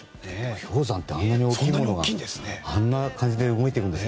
氷山ってあんなに大きくてあんな感じで動いているんですね。